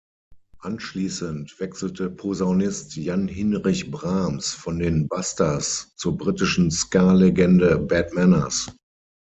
Anschließend wechselte Posaunist Jan-Hinrich Brahms von den "Busters" zur britischen Ska-Legende "Bad Manners".